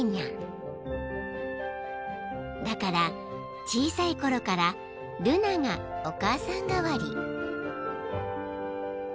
［だから小さいころからルナがお母さん代わり］